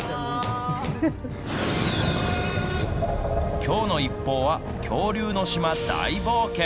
きょうのＩＰＰＯＵは、恐竜の島、大冒険！